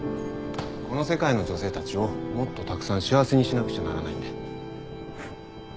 この世界の女性たちをもっとたくさん幸せにしなくちゃならないんで。